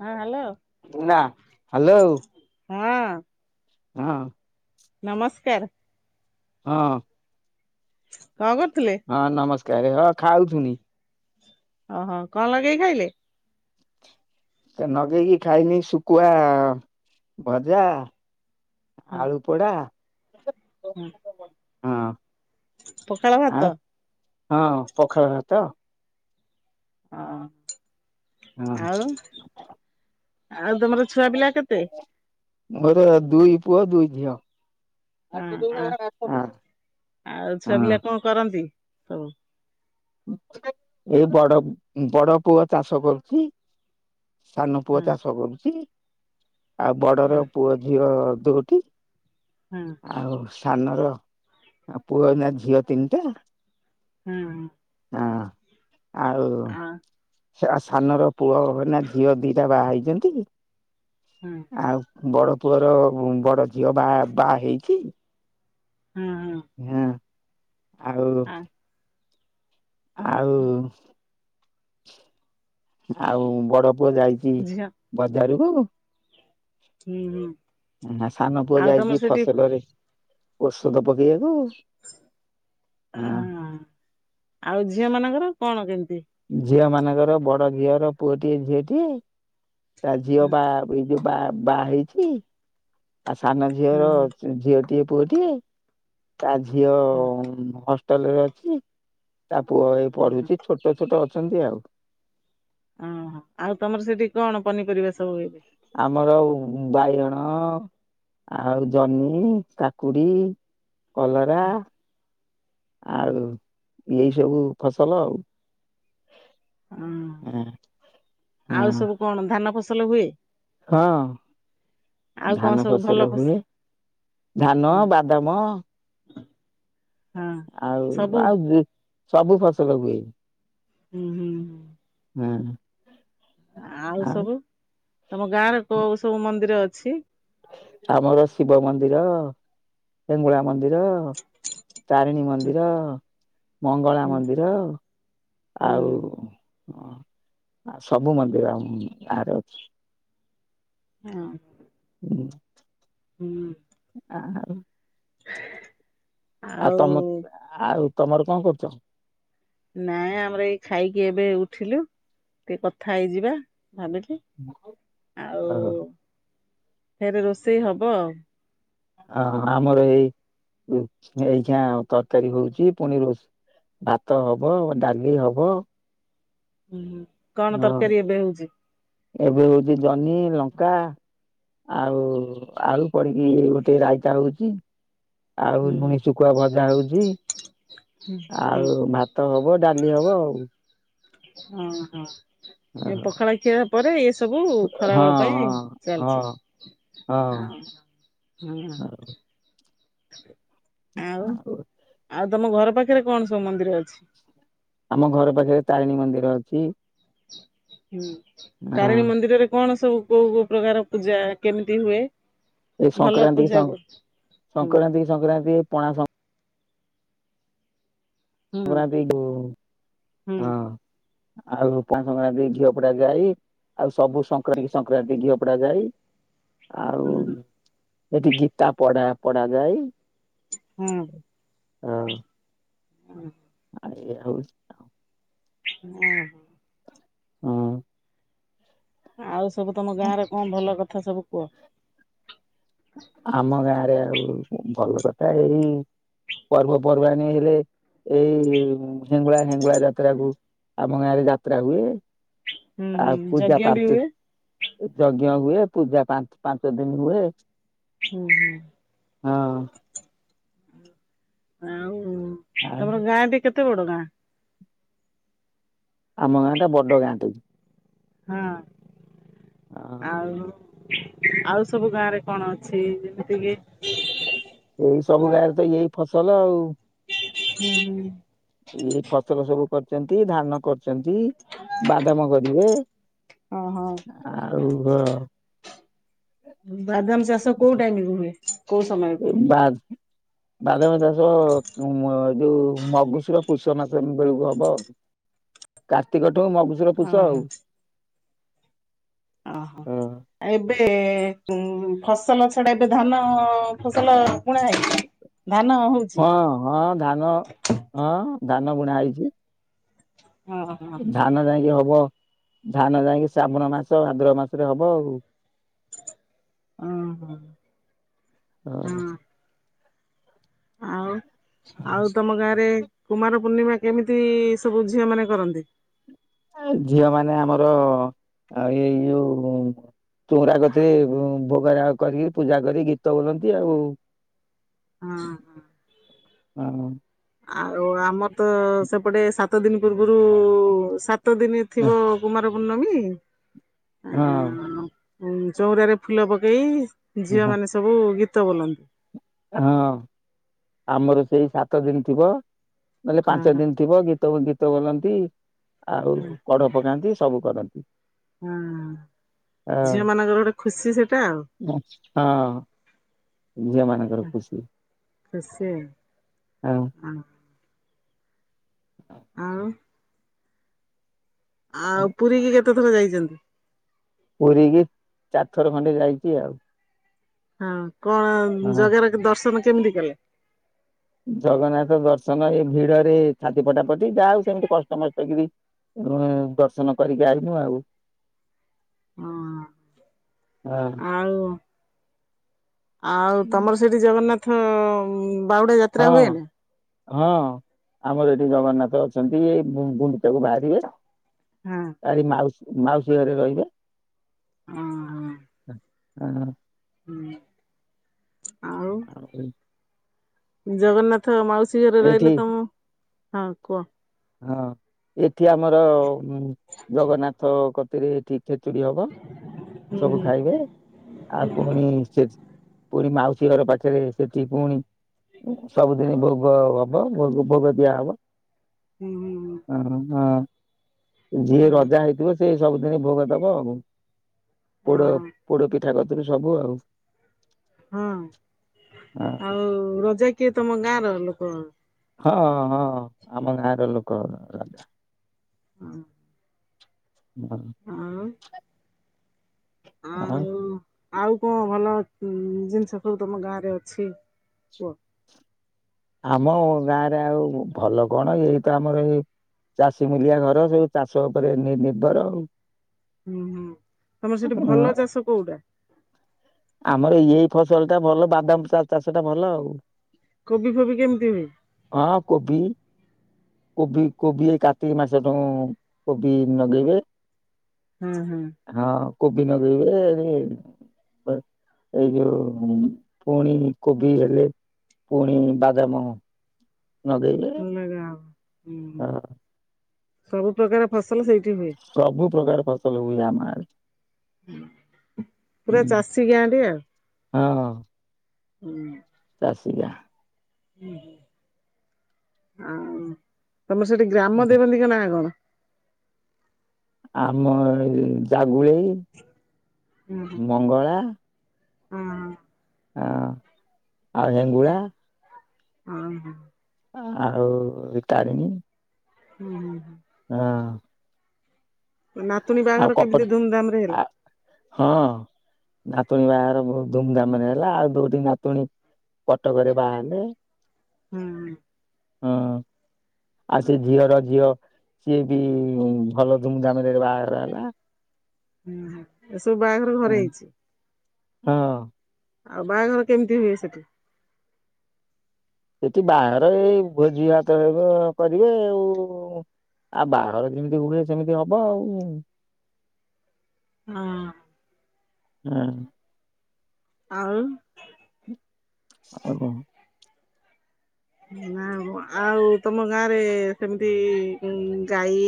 ହଁ ହାଲୋ। ନା ହ୍ୟାଲୋ ହଁ। ହଁ। ନମସ୍କାର୍। ହଁ। କଣ କରୁଥିଲେ? ହଁ ନମସ୍କାର ହଁ ଖାଉଥୁନି। ଓହୋ। କଣ ଲଗେଇ ଖାଇଲେ? ନଗେଇକି ଖାଇନି ଶୁଖୁଆ ଭଜା ହଁ ଆଳୁ ପୋଡ଼ା। ହଁ ହଁ। ପଖାଳ ଆଉ ଭାତ? ହଁ ପଖାଳ ଭାତ ଓ ହଁ ଆଉ, ଆଉ ତମର ଛୁଆ ପିଲା କେତେ? ମୋର ଦୁଇ ପୁଅ ଦୁଇ ଝିଅ। ହଁ ଆ ଆଉ ଛୁଆ ହଁ ପିଲା କଣ କରନ୍ତି ସବୁ ଏଇ ବଡ ବଡ ପୁଅ ଚାଷ କରୁଛି ସାନ ହଁ ପୁଅ ଚାଷ କରୁଛି ଆଉ ହଁ ବଡର ପୁଅ ଝିଅ ଦୋ ଟି। ହ। ଆଉ ସାନରଆଉ ପୁଅ ନା ଝିଅ ତିନିଟା। ହୁଁ। ହଁ ଆଉ ହଁ। ସେ ସାନର ପୁଅ ନା ଝିଅ ଦିଟା ବାହା ହେଇଛନ୍ତି ହୁଁ। ଆଉ ବଡ ପୁଅର ବଡ ଝିଅ ବା ବାହା ହେଇଛି। ହୁଁ ହୁଁ। ହଁ। ଆଉ ହଁ। ଆଉ। ଆଉ ବଡ ପୁଅ ଯାଇଛି ଝିଅ ବଜାରକୁ ହୁଁ ହୁଁ। ସାନ ପୁଅ ଆଉ ତମର ଯାଇଛି ସେଠି ଫସଲରେ ଔଷଧ ପକେଇବାକୁ ହଁ ଆଉ ଝିଅ ମାନଙ୍କର କଣ କେମିତି ଝିଅ ମାନଙ୍କର ବଡ ଝିଅର ପୁଅଟିଏ ଝିଅଟିଏ ତା ଝିଅ ହୁଁ ବା ଏଇ ଯୋଉ ବା ବାହା ହେଇଛି। ଆଉ ସାନ ହୁଁ ଝିଅର ଝି ଝିଅଟିଏ ପୁଅଟିଏ ତା ଝିଅ ହୁଁ। ହୁଁ ହଷ୍ଟେଲ ରେ ଅଛି ତା ପୁଅ ଏ ହୁଁ ହୁଁ ପଢୁଛି ଛୋଟ ଛୋଟ ଅଛନ୍ତି ଆଉ। ଓହୋ ଆଉ ତମର ସେଠି କଣ ପନିପରିବା ସବୁ ହୁଏ ଏବେ? ଆମର ଉ ବାଇଗଣ ଆଉ ଜହ୍ନି କାକୁଡି କଲରା ଆଉ ଏଇ ସବୁ ଫସଲ ଆଉ। ହଁ ହଁ ହଁ ଆଉ ସବୁ କଣ ଧାନ ଫସଲ ହୁଏ? ହଁ। ଆଉ କଣ ଧାନ ସବୁ ଭଲ ଫସଲ ଫସ ହୁଏ ଧାନ ବାଦାମ। ହଁ ଆଉ ସବୁ ଆଉ ଯୋ ସବୁ ଫସଲ ହୁଏ। ହୁଁ ହୁଁ। ହୁଁ ଆଉ ସବୁ ତମ ଗାଁରେ କୋଉ ସବୁ ମନ୍ଦିର ଅଛି? ଆମର ଶିବ ମନ୍ଦିର ହେଙ୍ଗୁଳା ମନ୍ଦିର ତାରିଣୀ ହୁଁ ମନ୍ଦିର ମଙ୍ଗଳା ହୁଁ ମନ୍ଦିର ହୁଁ ଆଉ ହଁ ଆଉ ସବୁ ମନ୍ଦିର ଆମ ଗାରେ ଅଛି। ହଁ ହୁଁ ହୁଁ ଆ ହଉ ହ [inaudible] ଆଉ ତମ ଆଉ ତମର କଣ କରୁଛ? ନାଇଁ ଆମର ଏଇ ଖାଇକି ଏବେ ଉଠିଲୁ ଟିକେ କଥା ହେଇଯିବା ଭାବିଲି ଆଉ ଫେରେ ରୋଷେଇ ହବ ଆଉ ହଁ ଆମର ଏଇ ଏଇକ୍ଷିଣା ତରକାରୀ ହଉଛି ପୁଣି ରୋଷ ଭାତ ହବ ଡାଲି ହବ ହୁଁ କଣ ହଁ ତରକାରୀ ଏବେ ହେଉଛି? ଏବେ ହଉଛି ଜହ୍ନି ଲଙ୍କା ଆଉ ଆଳୁ ପଡିକି ଗୋଟେ ରାଇତା ହଉଛି। ଆଉ ହୁଁ ଲୁଣି ଶୁଖୁଆ ଭଜା ହଉଚି ଆଉ ଭା ତ ହବ ଡାଲି ହବ ଆଉ। ହଁ ହଁ। ଏ ଆଉ ପଖାଳ ଖିଆ ପରେ ଏ ସବୁ ହଁ ଖରାବେଳ ପାଇଁ ଚାଲିଛି। ହଁ ହଁ। ହଁ ଆଉ? ହଁ ଆଉ ତମ ଘର ପାଖରେ କଣ ସବୁ ମନ୍ଦିର ଅଛି? ଆମ ଘର ପାଖେରେ ତାରିଣୀ ମନ୍ଦିର ଅଛି। ହୁଁ ହଁ ତାରିଣୀ ମନ୍ଦିରରେ କଣ ସବୁ କୋଉ କୋଉ ପ୍ରକାର ପୂଜା କେମିତି ହୁଏ? ଏ ଭଲ ସଂକ୍ରାନ୍ତି‌ କି ପୂଜା ସଂ କ ହୁଁ ସଂକ୍ରାନ୍ତି କି ସଂକ୍ରାନ୍ତି ପଣା ସଂ ହୁଁ ପଣା ପିଇଲୁ ହୁଁ ହଁ। ଆଉ ତାଙ୍କ [unintelligible] ଘିଅ ପୋଡା ଯାଇ। ଆଉ ସବୁ ସଂକ୍ରାନ୍ତି ସଂକ୍ରାନ୍ତି ଘିଅ ପୋଡା ଯାଇ ଆଉ ହୁଁ ସେଠି ଗୀତା ପଢା ପଢା ଯାଇ। ହୁଁ। ହଁ। ହୁଁ। ଆ ଏଇଆ ହଉ ଅଁ ହଁ। ହୁଁ। ଆଉ ସବୁ ତମ ଗାଁ ରେ କଣ ଭଲ କଥା ସବୁ କୁହ? ଆମ ଗାଁ ରେ ଆଉ ଭଲ କଥା ଏଇ ପର୍ବପର୍ବାଣୀ ହେଲେ ଏଇ ହିଙ୍ଗୁଳା ହେଙ୍ଗୁଳା ଯାତ୍ରାକୁ ଆମ ଗାଁ ରେ ଯାତ୍ରା ହୁଏ। ହୁଁ ହୁଁ ଆଉ ପୂଜା ଯଜ୍ଞ ବି ପାନ୍ତି। ହୁଏ। ଯଜ୍ଞ ହୁଏ ପୂଜା ପାଞ୍ଚ ପାଞ୍ଚ ଦିନି ହୁଏ। ହୁଁ ହୁଁ। ହଁ। ଆଉ ଆଉ ତମର ଗାଁ ଟି କେତେ ବଡ ଗାଁ? ଆମ ଗାଁ ଟା ବଡ ଗାଁ ଟେଇ। ହଁ ହଁ ଆଉ? ଆଉ ସବୁ ଗାଁ ରେ କଣ ଅଛି ଯେମିତି କି ଏଇ ସବୁ ଗାଁରେ ତ ଏଇ ଫସଲ ଆଉ। ହୁଁ ହୁଁ। ଏଇ ଫସଲ ସବୁ କରିଛନ୍ତି ଧାନ କରି ଛନ୍ତି ବାଦାମ କରିବେ ଓହୋ ଆଉ କ ବାଦାମ ଚାଷ କୋଉ ଟାଇମ୍ ରେ ହୁଏ? କୋଉ ସମୟକୁ? ଏଇ ବାଦ୍ ବାଦାମ ଚାଷ ମ ଯୋଉ ମଗୁସୁର ପୁଷ ମାସ ବେଳକୁ ହବ ଅଉ କାର୍ତ୍ତିକ ଠୁ ମଗୁ ସୁର ପୁଷ ଓହୋ ଆଉ। ଓହୋ ଏବେ ଉ ଫସଲ ଛଡା ଏବେ ଧାନ ଫସଲ ବୁଣା ହେଇଛି? ଧାନ ହଉ ହଁ ହଁ ଧାନ ହଁ ଧାନ ବୁଣା ହେଇଛି। ହଁ ହଁ। ଧାନ ଯାଇକି ହବ ଧାନ ଯାଇକି ଶ୍ରାବଣ ମାସ ଭାଦ୍ରବ ମାସରେ ହବ ଆଉ। ଓ ହୋ ହଁ। ଆଉ ହଁ ଆଉ ତମ ଗାଁ ରେ କୁମାର ପୂର୍ଣ୍ଣିମା କେମିତି ସବୁ ଝିଅ ମାନେ କରନ୍ତି। ଅ ଝିଅ ମାନେ ଆମର ଏଇ ଯୋଉ ଚଉରା କତିରେ ଭୋଗ ରାଗ କରିକି ପୂଜା କରି ଗୀତ ବୋଲନ୍ତି ଆଉ ହଁ ହଁ ହଁ। ଆଉ ଆମର ତ ସେପଟେ ସାତ ଦିନ ପୂର୍ବରୁ ସାତ ସାତ ଦିନ ଥିବ କୁମାର ପୂର୍ଣ୍ଣମୀ ହଁ। ଉ ଚଉରାରେ ଫୁଲ ପକେଇ ଝିଅମାନେ ସବୁ ଗୀତ ବୋଲନ୍ତି। ହଁ ଆମର ସେଇ ସାତ ଦିନ ଥିବ ନହେଲେ ହଁ ପାଞ୍ଚ ହଁ ଦିନ ଥିବ ଗୀ ତ ଗୀତ ବୋଲନ୍ତି ଆଉ କଢ ପକାନ୍ତି ସବୁ କରନ୍ତି। ହୁଁ। ହଁ ଝିଅ ମାନଙ୍କର ଗୋଟେ ଖୁସି ସେଇଟା ହଁ ଝିଅ ମାନଙ୍କର ଆଉ। ଖୁସି ହଁ [inaudible] ଆଉ ଆଉ ପୁରୀ କି କେତେ ଥର ଯାଇଛନ୍ତି। ପୁରୀକି ଚାରଥର ଖଣ୍ଡେ ଯାଇଛି ଆଉ। ହଁ କଣ ହଁ ଜଗାର କ ଦର୍ଶନ କେମିତି କଲେ। ଜଗନ୍ନାଥ ଦର୍ଶନ ଏ ଭିଡରେ ଛାତି ପଟାପଟି ଯାହା ହଉ ସେମିତି କଷ୍ଟମଷ୍ଟ କିରି ଉଁ ଦର୍ଶନ କରିକି ଆଇନୁ ଆଉ। ହଁ ହଁ ଆଉ ଆଉ ତମର ସେଠି ଜଗନ୍ନାଥ ବାଉଡା ଯାତ୍ରା ହୁଏ ହଁ। ନା? ହଁ ଆମର ଏଠି ଜଗନ୍ନାଥ ଅଛନ୍ତି ଏ ଗୁଣ୍ଡିିଚାକୁ ବାହାରିବେ। ହଁ। କାଲି ମାଉସୀ ମାଉସୀ ଘରେ ରହିବେ ହଁ ହ। ହୁଁ ଆଉ। [inaudible] ଜଗନ୍ନାଥ ମାଉସୀ ଘରେ ଏଠି ରହିଲେ ତମ ହଁ କୁହ। ହଁ ଏଠି ଆମର ଜଗନ୍ନାଥ କତିରେ ଏଠି ଛେଚୁଡି ହବ ହୁଁ ସବୁ ହୁଁ ଖାଇବେ ଆଉ ପୁଣି ସେ ପୁଣି ମାଉସୀ ଘର ପାଖରେ ସେଠି ପୁଣି ସବୁଦିନ ଭୋଗ ହବ ଭୋଗ ଭୋଗ ଦିଆହବ। ହୁଁ ହୁଁ। ହ ହଁ ଯିଏ ରଜା ହେଇଥିବ ସେ ସବୁଦିନ ଭୋଗ ଦବ ଆଉ। ପୋଡ ହଁ ପୋଡ ପିଠା କତୁରୁ ସବୁ ଆଉ। ହଁ ଆଉ ରଜା କିଏ ତମ ଗାଁ ର ଲୋକ। ହଁଁ ହଁ ଆମ ଗାଁ ର ଲୋକ। ହଁ। [inaudible] ହଁ। ଆଉ ଆଉ କଣ ଭଲ ଜିନିଷ ସବୁ ତମ ଗାଁ ରେ ଅଛି। କୁହ? ଆମ ଗାଁ ରେ ଆଉ ଭଲ କଣ ଏଇ ତ ଆମର ଏଇ ଚାଷୀ ମୂଲିଆ ଘର ସବୁ ଚାଷ ଉପରେ ନି ନିର୍ଭର ଆଉ। ହୁଁ ହୁଁ ତମର ସେଠି ହଁ ଭଲ ଚାଷ କୋଉଟା। ଆମର ଏଇ ଫସଲ ଟା ଭଲ ବାଦାମ ଚା ଚାଷଟା ଭଲ ଆଉ। କୋବି ଫୋବି କେମିତି ହୁଏ। ହଁ କୋବି କୋବି କୋବି ଏଇ କାର୍ତ୍ତିକ ମାସଠୁ କୋବି ନଗେଇବେ। ହୁଁ ହୁଁ। ହଁ କୋବି ନଗେଇିବେ ଇଏ ଏଇ ଯୋଉ ପୁଣି କୋଭି ଗାଡ଼ି ରେ ପୁଣି ବାଦାମ ନଗେଇବେ ଅଲଗା ଆଉ ହୁଁ ହଁ ସବୁ ପ୍ରକାର ଫସଲ ସେଇଠି ହୁଏ। ସବୁ ପ୍ରକାର ଫସଲ ହୁଏ ଆମ ଆଡେ। ପୁରା ଚାଷୀ ଗାଁଟି ଆଉ। ହଁ ହୁଁ ଚାଷୀ ଗାଁ। ଆ ତମର ସେଠି ଗ୍ରାମ ଦେବନ୍ତୀଙ୍କ ନାଁ କଣ? ଆମ ଜାଗୁଲେଇ ହୁଁ ହୁଁ। ମଙ୍ଗଳା। ଓ ହଁ ଆଉ ହେଙ୍ଗୁଳା। ହଁ ହଁ ଆଉ ତାରିଣୀ। ହୁଁ ହୁଁ ହଁ ନାତୁଣୀ ଆଉ ବାହାଘର କପଟ କେମିତି ଧୁମଧାମରେ ଆ ହେଲା? ହଁ ନାତୁଣୀ ବାହଘର ବହୁତ ଧୁମ ଧାମରେ ହେଲା ଆଉ ଦୋଟି ନାତୁଣୀ କଟକରେ ବାହାହେଲେ। ହୁଁ ହଁ ଆଉ ସେ ଝିଅର ଝିଅ ସିଏ ବି ଭଲ ଧୁମଧାମରେ ବାହାଘର ହେଲା। ହୁଁ ଏସବୁ ବାହାଘର ଘରେ ହେଇଛି। ହଁ ଆଉ ବାହାଘର କେମିତି ହୁଏ ସେଠି? ସେଠି ବାହାଘର ଏଇ ଭୋଜି ଭାତ କରିବେ ଆଉ। ଆଉ ବାହାଘର ଯେମିତି ହୁଏ ସେମିତି ହବ ଆଉ। ହଁ ହୁଁ ଆଉ ଆଉ କଣ? ନା ଆଉ କଣ ଆଉ ତମ ଗାଁ ରେ କେମିତି ଗାଈ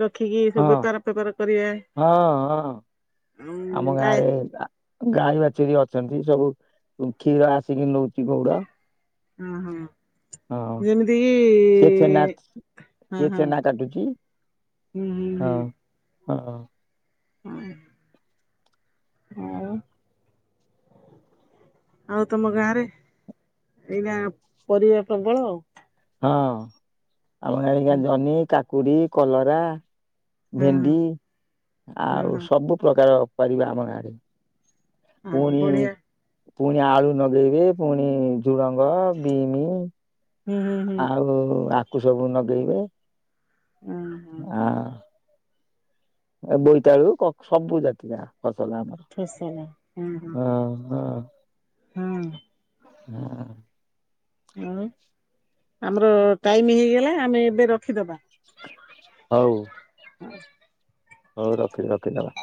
ରଖିକି ସବୁ ବେପାର ଫେପାର କରିବା ହଁ ହଁ ହଁ ଆଉ ଆମ ଗାଈ ଗାଁରେ ଗାଈ ବାଛୁରୀ ଅଛନ୍ତି ସବୁ କ୍ଷୀର ଆସିକି ନଉଛି ଗୋଉଡ। ହଁ ହଁ ହଁ ଯେମିତି କିି ସେ ଛେନା- ହଁ ସେ ହଁ ଛେନା କାଟୁଚି। ହୁଁ ହଁ -ହଁ। ହଁ- ଆଉ ଆଉ ତମ ଗାଁରେ ଏଇନା ପରିବା ପ୍ରବଳ ଆଉ। ହଁ ଆମ ବାଇରେ ଜହ୍ନି, କାକୁଡି, କଲରା ହଁ ଭେଣ୍ଡି ହଁ ହଁ ଆଉ ହଁ ସବୁ ପ୍ରକାର ପରିବା ଆମ ଗାଁ ରେ। ହଁ ପୁଣି ବଢିଆ ପୁଣି ଆଳୁ ଲଗେଇବେ ପୁଣି ଝୁଡ଼ଙ୍ଗ, ବିମି ହୁଁ ହୁଁ ହୁଁ ଆଉ ଆକୁ ସବୁ ନଗେଇବେ। ଅ ହ ଆଉ। ଏ ବୋଇତାଳୁ କ ସବୁ ଜାତିକା ଫସଲ ଆମର। ଫସଲ ହଁ ହଁ ହଁ। ହୁଁ। ଆଉ ଆମର ଟାଇମି ହେଇଗଲା ଆମେ ଏବେ ରଖିଦବା। ହଉ। ହଉ ରଖି -ରଖି ଦବା।